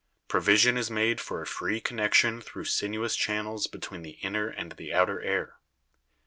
Provision is made for a free connection through sinuous channels between the inner and the outer air.